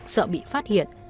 sợ bị phát hiện